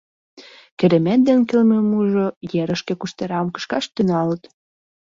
Керемет ден Кылмымужо ерышке куштырам кышкаш тӱҥалыт.